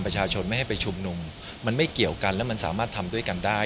ประชาชนไม่ให้ไปชุมนุมมันไม่เกี่ยวกันและมันสามารถทำด้วยกันได้